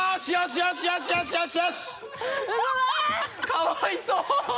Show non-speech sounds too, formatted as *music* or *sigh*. かわいそう *laughs*